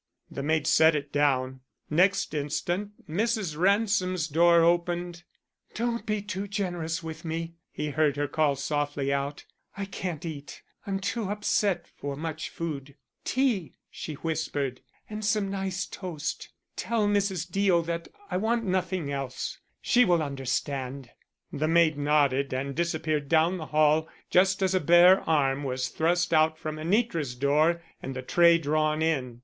The maid set it down. Next instant Mrs. Ransom's door opened. "Don't be too generous with me," he heard her call softly out. "I can't eat. I'm too upset for much food. Tea," she whispered, "and some nice toast. Tell Mrs. Deo that I want nothing else. She will understand." The maid nodded and disappeared down the hall just as a bare arm was thrust out from Anitra's door and the tray drawn in.